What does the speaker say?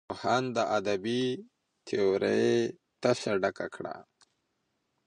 کوهن د ادبي تیورۍ تشه ډکه کړه.